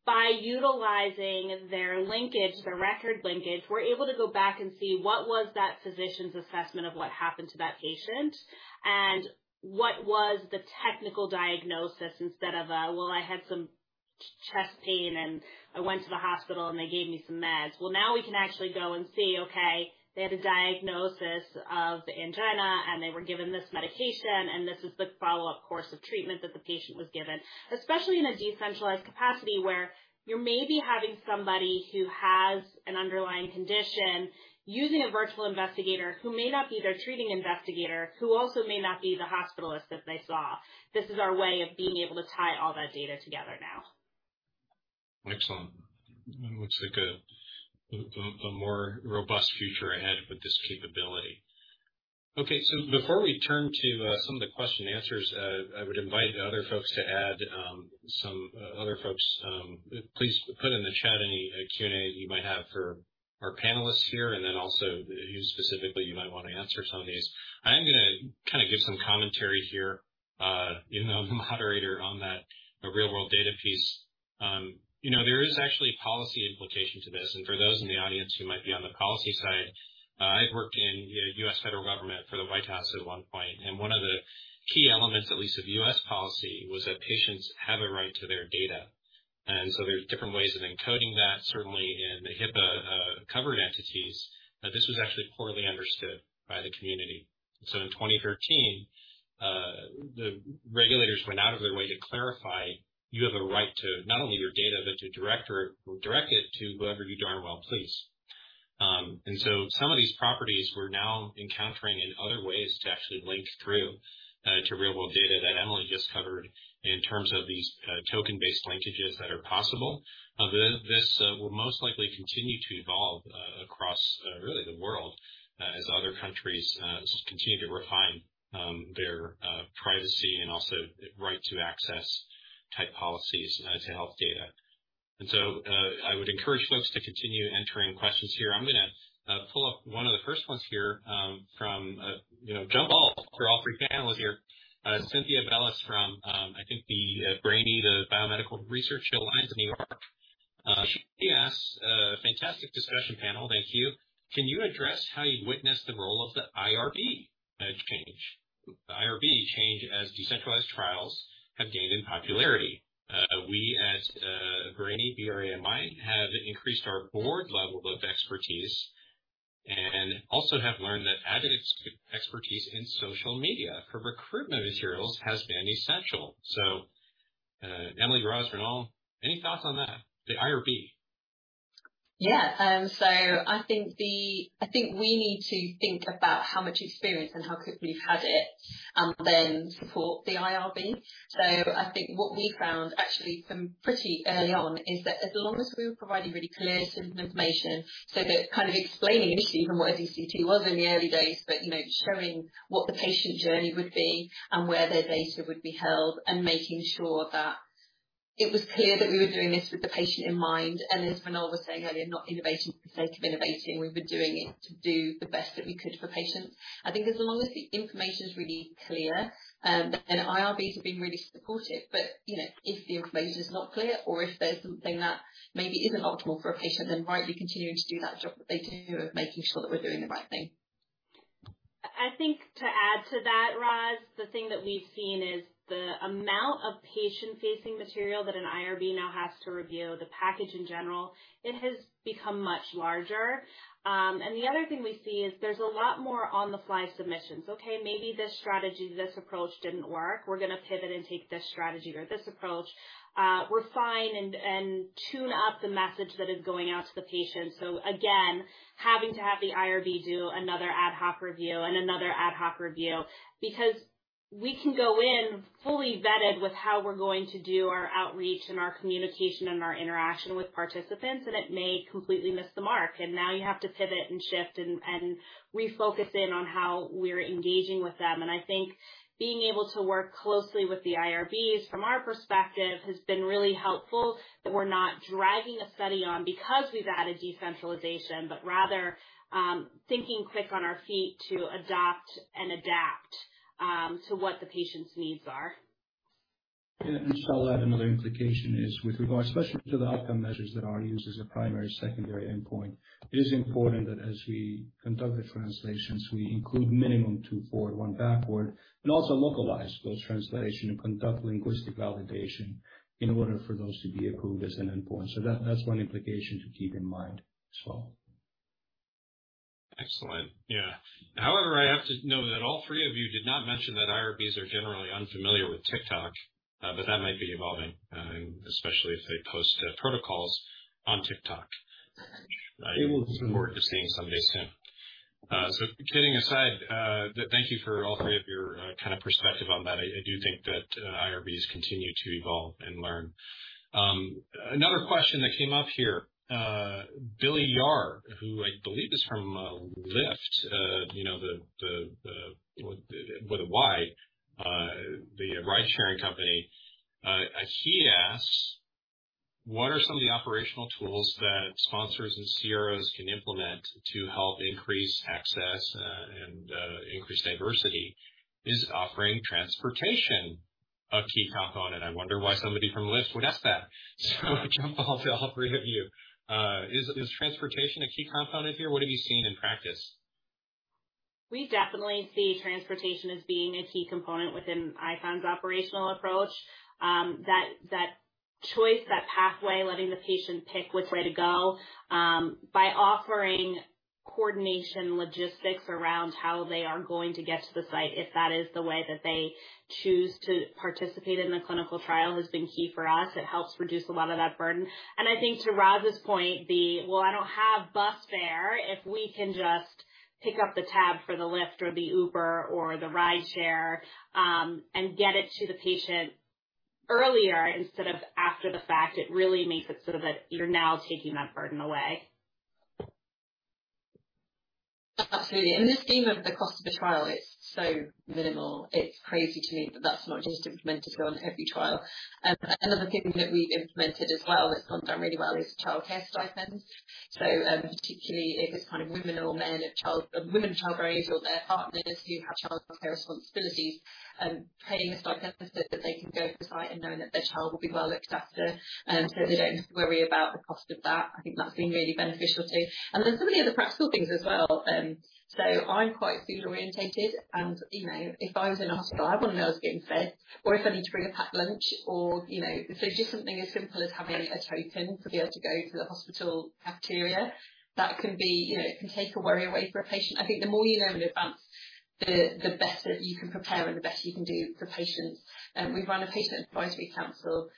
By utilizing their linkage, their record linkage, we're able to go back and see what was that physician's assessment of what happened to that patient and what was the technical diagnosis instead of a, "Well, I had some chest pain, and I went to the hospital, and they gave me some meds." Well, now we can actually go and see, okay, they had a diagnosis of angina, and they were given this medication, and this is the follow-up course of treatment that the patient was given. Especially in a decentralized capacity where you may be having somebody who has an underlying condition using a virtual investigator who may not be their treating investigator, who also may not be the hospitalist that they saw. This is our way of being able to tie all that data together now. Excellent. Looks like a more robust future ahead with this capability. Okay. Before we turn to some of the question answers, I would invite other folks to add some other folks, please put in the chat any Q&A you might have for our panelists here, and then also you specifically, you might want to answer some of these. I am gonna kind of give some commentary here, even though I'm a moderator on that, the real-world data piece. You know, there is actually policy implication to this. For those in the audience who might be on the policy side, I've worked in you know U.S. federal government for the White House at one point, and one of the key elements, at least of U.S. policy, was that patients have a right to their data. There's different ways of encoding that, certainly in the HIPAA covered entities. This was actually poorly understood by the community. In 2013, the regulators went out of their way to clarify you have a right to not only your data, but to direct it to whoever you darn well please. Some of these properties we're now encountering in other ways to actually link through to real-world data that Emily just covered in terms of these token-based linkages that are possible. This will most likely continue to evolve across really the world as other countries continue to refine their privacy and also right to access type policies to health data. I would encourage folks to continue entering questions here. I'm gonna pull up one of the first ones here, from, you know, jump off for all three panelists here. Cynthia Balles from, I think the, BRANY, the Biomedical Research Alliance of New York. She asks, "Fantastic discussion panel. Thank you. Can you address how you witness the role of the IRB change as decentralized trials have gained in popularity? We as, BRANY, B-R-A-N-Y, have increased our board level of expertise and also have learned that added expertise in social media for recruitment materials has been essential." Emily, Ros, Rinal, any thoughts on that? The IRB. I think we need to think about how much experience and how quickly we've had it and then support the IRB. I think what we found actually from pretty early on is that as long as we were providing really clear, simple information, so that kind of explaining initially even what a DCT was in the early days, but, you know, showing what the patient journey would be and where their data would be held, and making sure that it was clear that we were doing this with the patient in mind. As Rinal was saying earlier, not innovation for sake of innovating. We've been doing it to do the best that we could for patients. I think as long as the information is really clear, then IRBs have been really supportive. You know, if the information is not clear or if there's something that maybe isn't optimal for a patient, then rightly continuing to do that job that they do of making sure that we're doing the right thing. I think to add to that, Ros, the thing that we've seen is the amount of patient-facing material that an IRB now has to review, the package in general, it has become much larger. The other thing we see is there's a lot more on-the-fly submissions. Okay, maybe this strategy, this approach didn't work. We're gonna pivot and take this strategy or this approach. Refine and tune up the message that is going out to the patient. Again, having to have the IRB do another ad hoc review and another ad hoc review, because we can go in fully vetted with how we're going to do our outreach and our communication and our interaction with participants, and it may completely miss the mark. Now you have to pivot and shift and refocus in on how we're engaging with them. I think being able to work closely with the IRBs from our perspective has been really helpful, that we're not driving a study on because we've added decentralization, but rather, thinking quick on our feet to adopt and adapt, to what the patient's needs are. I'll add another implication is with regard especially to the outcome measures that are used as a primary, secondary endpoint. It is important that as we conduct the translations, we include minimum tone forward, 1 backward, and also localize those translations and conduct linguistic validation in order for those to be approved as an endpoint. That, that's one implication to keep in mind as well. Excellent. Yeah. However, I have to note that all three of you did not mention that IRBs are generally unfamiliar with TikTok, but that might be evolving, especially if they post protocols on TikTok. It will soon. Look forward to seeing someday soon. Kidding aside, thank you for all three of your kind of perspective on that. I do think that IRBs continue to evolve and learn. Another question that came up here, Billy Yarr, who I believe is from Lyft, you know, the with a Y, the ride sharing company. He asks, "What are some of the operational tools that sponsors and CROs can implement to help increase access and increase diversity? Is offering transportation a key component?" I wonder why somebody from Lyft would ask that. I jump off to all three of you. Is transportation a key component here? What have you seen in practice? We definitely see transportation as being a key component within ICON's operational approach. That choice, that pathway, letting the patient pick which way to go, by offering coordination logistics around how they are going to get to the site, if that is the way that they choose to participate in the clinical trial, has been key for us. It helps reduce a lot of that burden. I think to Ros's point, the "Well, I don't have bus fare," if we can just pick up the tab for the Lyft or the Uber or the rideshare, and get it to the patient earlier instead of after the fact. It really makes it sort of a, you're now taking that burden away. Absolutely. In the scheme of the cost of a trial, it's so minimal. It's crazy to me that that's not just implemented on every trial. Another thing that we've implemented as well that's gone down really well is childcare stipends. Particularly if it's kind of women child raisers or their partners who have childcare responsibilities, paying a stipend so that they can go to site and know that their child will be well looked after. They don't have to worry about the cost of that. I think that's been really beneficial, too. So many other practical things as well. I'm quite food-oriented and, you know, if I was in a hospital, I want to know I was getting fed or if I need to bring a packed lunch or, you know. Just something as simple as having a token to be able to go to the hospital cafeteria, that can be, you know, it can take a worry away for a patient. I think the more you know in advance, the better you can prepare and the better you can do for patients. We run a patient advisory council,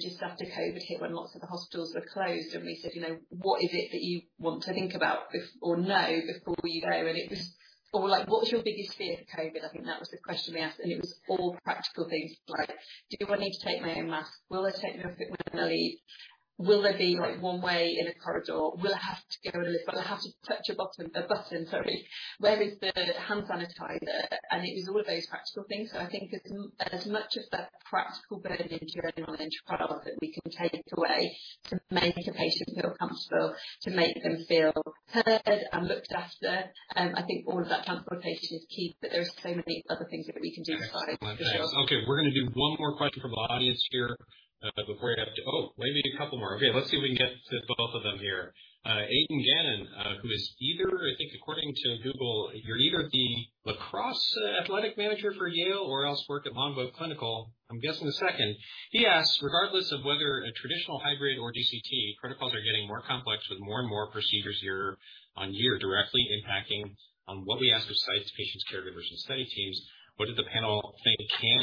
just after COVID hit, when lots of the hospitals were closed, and we said, "You know, what is it that you want to think about or know before you go?" It was all like, "What's your biggest fear of COVID?" I think that was the question we asked. It was all practical things like, "Do I need to take my own mask? Will they take my equipment when I leave? Will there be like one way in a corridor? Will I have to go and lift? Will I have to touch a button, sorry. Where is the hand sanitizer?" It was all of those practical things. I think as much of that practical burden during an intervention trial that we can take away to make a patient feel comfortable, to make them feel heard and looked after, I think all of that comfort of patient is key, but there are so many other things that we can do besides, for sure. Okay, we're gonna do one more question from the audience here before we have to. Oh, maybe a couple more. Okay, let's see if we can get to both of them here. Aidan Gannon, who is either, I think according to Google, you're either the lacrosse athletic manager for Yale or else worked at Monvo Clinical. I'm guessing the second. He asked, regardless of whether a traditional hybrid or DCT, protocols are getting more complex with more and more procedures year-on-year, directly impacting what we ask of sites, patients, caregivers, and study teams. What do the panel think can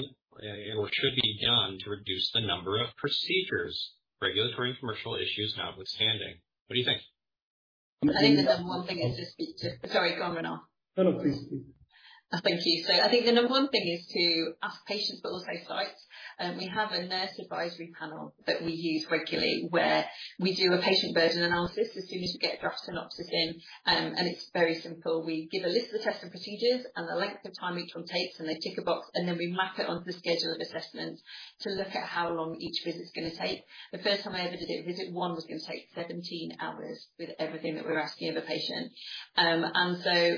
or should be done to reduce the number of procedures, regulatory and commercial issues notwithstanding? What do you think? Sorry, go on, Renald. No, no. Please speak. Thank you. I think the number one thing is to ask patients, but also sites. We have a nurse advisory panel that we use regularly where we do a patient burden analysis as soon as we get a draft synopsis in. It's very simple. We give a list of the tests and procedures and the length of time each one takes, and they tick a box, and then we map it onto the schedule of assessments to look at how long each visit is going to take. The first time I ever did it, visit one was going to take 17 hours with everything that we were asking of a patient.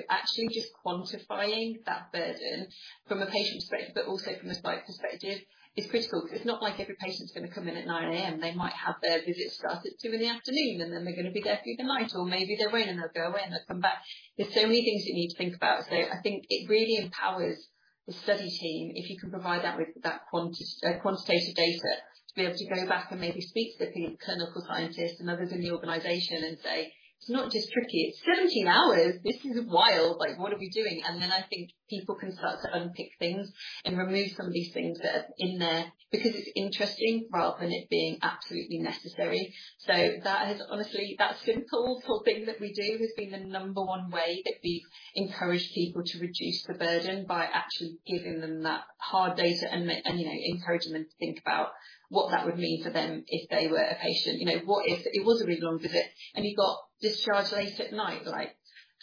Actually just quantifying that burden from a patient's perspective, but also from a site perspective is critical because it's not like every patient's going to come in at 9 A.M. They might have their visit start at 2:00 P.M., and then they're going to be there through the night. Maybe they'll run and they'll go in, they'll come back. There's so many things you need to think about. I think it really empowers the study team if you can provide that with that quantitative data to be able to go back and maybe speak to the clinical scientists and others in the organization and say, "It's not just tricky, it's 17 hours. This is wild. Like, what are we doing?" Then I think people can start to unpick things and remove some of these things that are in there because it's interesting rather than it being absolutely necessary. That is honestly, that simple little thing that we do has been the number one way that we've encouraged people to reduce the burden by actually giving them that hard data and, you know, encouraging them to think about what that would mean for them if they were a patient. You know, what if it was a really long visit and you got discharged late at night? Like,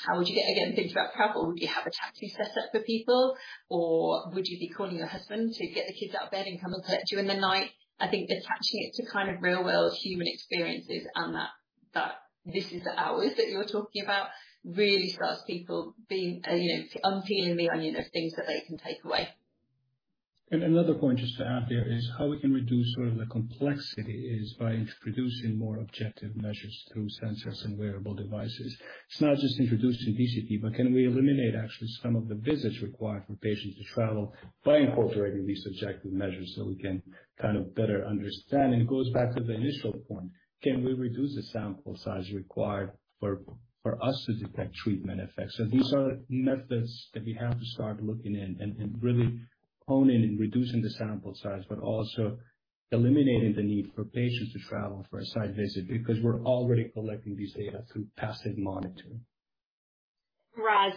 how would you get, again, things about travel. Would you have a taxi service set up for people? Or would you be calling your husband to get the kids out of bed and come and collect you in the night? I think attaching it to kind of real-world human experiences and that this is the hours that you're talking about, really starts people being, you know, unpeeling the onion of things that they can take away. another point just to add there is how we can reduce sort of the complexity is by introducing more objective measures through sensors and wearable devices. It's not just introduced in DCT, but can we eliminate actually some of the visits required for patients to travel by incorporating these objective measures so we can kind of better understand? it goes back to the initial point, can we reduce the sample size required for us to detect treatment effects? these are methods that we have to start looking in and really honing in reducing the sample size, but also eliminating the need for patients to travel for a site visit because we're already collecting these data through passive monitoring. Roz,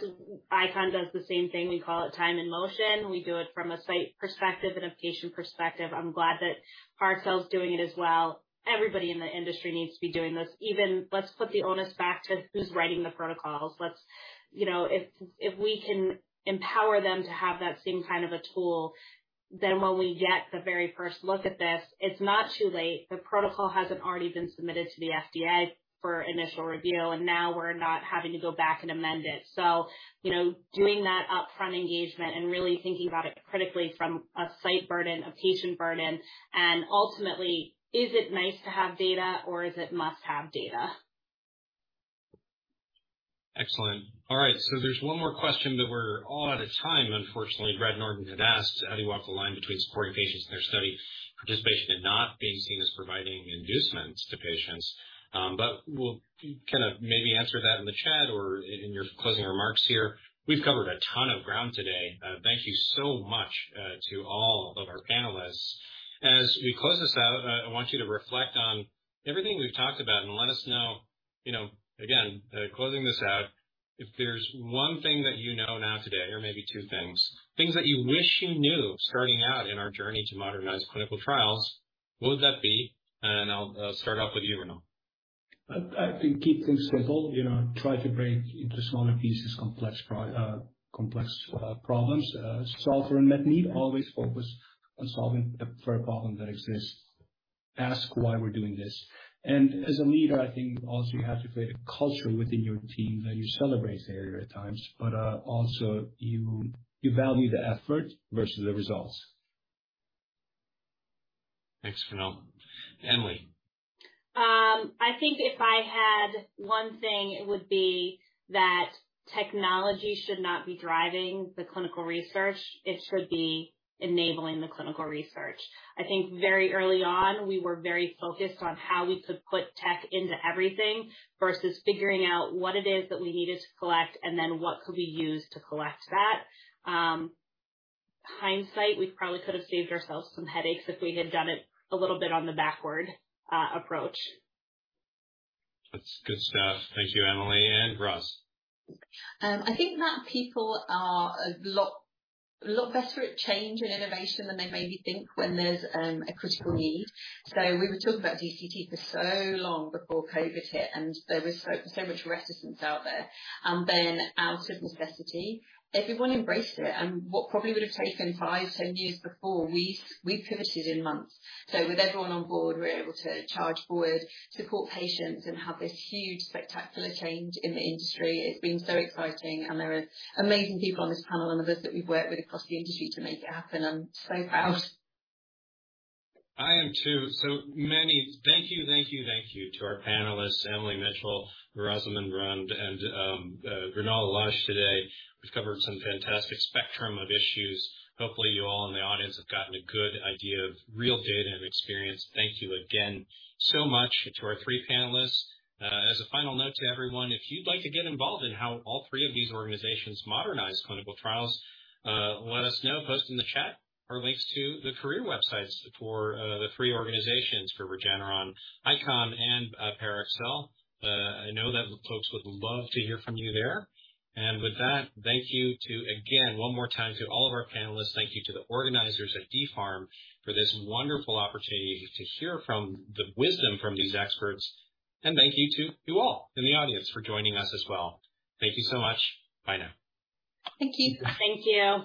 ICON does the same thing. We call it time and motion. We do it from a site perspective and a patient perspective. I'm glad that Parexel's doing it as well. Everybody in the industry needs to be doing this. Even, let's put the onus back to who's writing the protocols. Let's, you know, if we can empower them to have that same kind of a tool, then when we get the very first look at this, it's not too late. The protocol hasn't already been submitted to the FDA for initial review, and now we're not having to go back and amend it. You know, doing that upfront engagement and really thinking about it critically from a site burden, a patient burden, and ultimately, is it nice to have data or is it must-have data? Excellent. All right, so there's one more question then we're all out of time, unfortunately. Brad Norton had asked, how do you walk the line between supporting patients in their study participation and not being seen as providing inducements to patients? But we'll kind of maybe answer that in the chat or in your closing remarks here. We've covered a ton of ground today. Thank you so much to all of our panelists. As we close this out, I want you to reflect on everything we've talked about and let us know, you know, again, closing this out, if there's one thing that you know now today or maybe two things that you wish you knew starting out in our journey to modernize clinical trials, what would that be? I'll start off with you, Renel. I think keep things simple. You know, try to break into smaller pieces, complex problems. Solve for an unmet need. Always focus on solving for a problem that exists. Ask why we're doing this. As a leader, I think also you have to create a culture within your team that you celebrate failure at times, but also you value the effort versus the results. Thanks, Renel. Emily? I think if I had one thing, it would be that technology should not be driving the clinical research. It should be enabling the clinical research. I think very early on, we were very focused on how we could put tech into everything versus figuring out what it is that we needed to collect and then what could we use to collect that. In hindsight, we probably could have saved ourselves some headaches if we had done it a little bit on the backward approach. That's good stuff. Thank you, Emily. Roz. I think that people are a lot better at change and innovation than they maybe think when there's a critical need. We were talking about DCT for so long before COVID hit, and there was so much resistance out there. Out of necessity, everyone embraced it. What probably would have taken five, 10 years before, we pivoted in months. With everyone on board, we were able to charge forward, support patients, and have this huge, spectacular change in the industry. It's been so exciting, and there are amazing people on this panel and others that we've worked with across the industry to make it happen. I'm so proud. I am too. Thank you, thank you, thank you to our panelists, Emily Mitchell, Rosamond Round and Renel Laaj today. We've covered some fantastic spectrum of issues. Hopefully, you all in the audience have gotten a good idea of real data and experience. Thank you again so much to our three panelists. As a final note to everyone, if you'd like to get involved in how all three of these organizations modernize clinical trials, let us know. Post in the chat or links to the career websites for the three organizations for Regeneron, ICON, and Parexel. I know that folks would love to hear from you there. With that, thank you to, again, one more time to all of our panelists. Thank you to the organizers at DPHARM for this wonderful opportunity to hear from the wisdom from these experts. Thank you to you all in the audience for joining us as well. Thank you so much. Bye now. Thank you. Thank you.